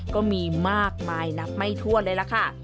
ก็มีมากมายนับไม่ทั่วเลยล่ะค่ะ